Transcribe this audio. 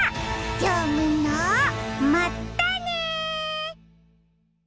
じゃあみんなまったね！